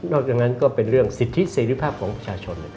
อกจากนั้นก็เป็นเรื่องสิทธิเสรีภาพของประชาชน